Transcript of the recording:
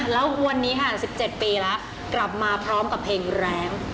แล้ววันนี้ค่ะ๑๗ปีแล้วกลับมาพร้อมกับเพลงแรง